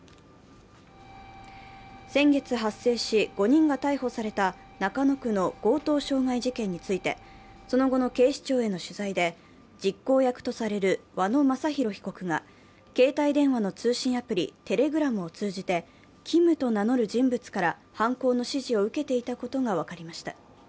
先月発生し、５人が逮捕された中野区の強盗傷害事件についてその後の警視庁への取材で実行役とされる和野正弘被告が携帯電話の通信アプリ・Ｔｅｌｅｇｒａｍを通じてキムと名乗る人物から犯行の指示を受けていたことが分かりました。